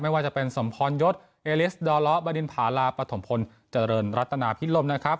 ไม่ว่าจะเป็นสมพรณ์ยศเอลิสต์ถาหล้อบรินพาหลาปัถมพลเจริญรัตนาพิฤติลมนะครับ